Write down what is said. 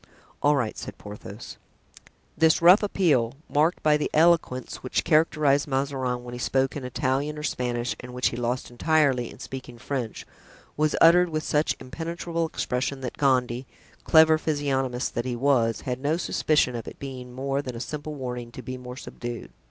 "All right," said Porthos.) This rough appeal, marked by the eloquence which characterized Mazarin when he spoke in Italian or Spanish and which he lost entirely in speaking French, was uttered with such impenetrable expression that Gondy, clever physiognomist as he was, had no suspicion of its being more than a simple warning to be more subdued.